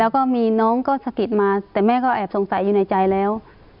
แล้วก็มีน้องก็สะกิดมาแต่แม่ก็แอบสงสัยอยู่ในใจแล้ว